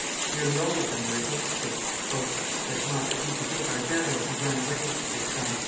Nearly all of them were against it. "Let not the people think our general could run away," said some.